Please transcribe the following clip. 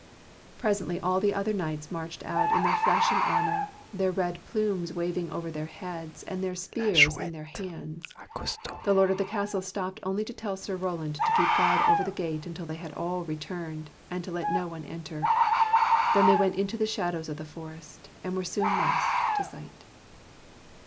Presently all the other knights marched out in their flashing armor, their red plumes waving over their heads, and their spears in their hands. The lord of the castle stopped only to tell Sir Roland to keep guard over the gate until they had all returned, and to let no one enter. Then they went into the shadows of the forest, and were soon lost to sight.